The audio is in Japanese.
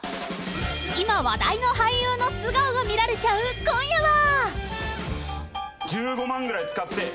［今話題の俳優の素顔が見られちゃう今夜は！］